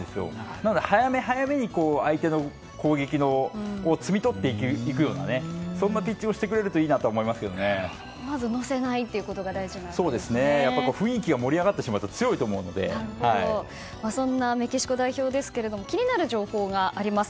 なので早めに相手の攻撃を摘み取っていくようなそんなピッチングをまず乗せないということが雰囲気が盛り上がってしまうとそんなメキシコ代表ですが気になる情報があります。